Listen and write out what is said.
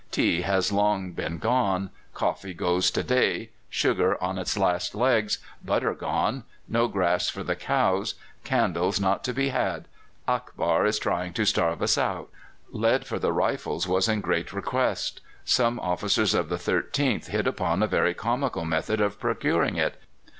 Tea has long been gone; coffee goes to day; sugar on its last legs; butter gone; no grass for the cows; candles not to be had. Akbar is trying to starve us out.'" Lead for the rifles was in great request. Some officers of the 13th hit upon a very comical method of procuring it.